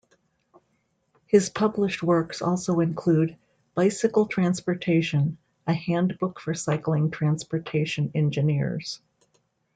His published works also include "Bicycle Transportation: A Handbook for Cycling Transportation Engineers".